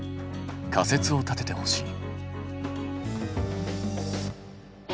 仮説を立ててほしい。